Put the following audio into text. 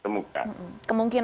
kemungkinan terakhir itu adalah